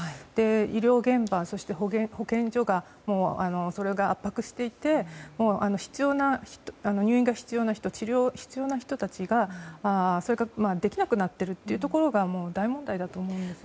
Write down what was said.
医療現場、そして保健所が圧迫していて入院が必要な人治療が必要な人たちにそれができなくなっているということが大問題だと思います。